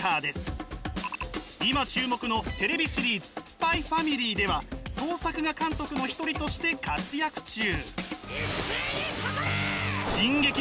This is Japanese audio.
今注目のテレビシリーズ「ＳＰＹ×ＦＡＭＩＬＹ」では総作画監督の一人として活躍中。